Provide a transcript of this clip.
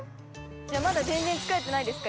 じゃあまだ全然疲れてないですか？